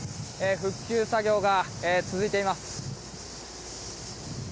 復旧作業が続いています。